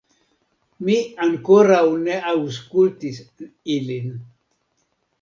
Mi ankoraŭ ne aŭskultis ilin